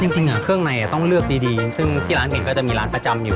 จริงเครื่องในต้องเลือกดีซึ่งที่ร้านเก่งก็จะมีร้านประจำอยู่